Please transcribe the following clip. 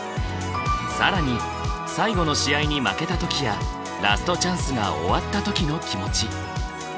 更に最後の試合に負けた時やラストチャンスが終わった時の気持ち。